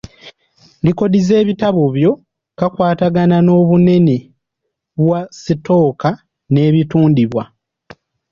Likodi z’ebitabo byo kakwatagana n’obunene bwa sitooka n’ebitundibwa .